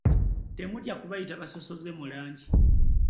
Temutya kubayita basosoze mu langi.